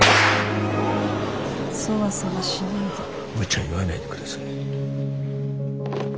むちゃ言わないでください。